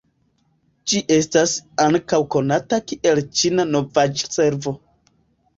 Ĝi estas ankaŭ konata kiel Ĉina Novaĵ-Servo.